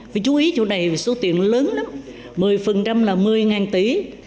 vì chú ý chỗ này số tiền lớn lắm một mươi là một mươi tỷ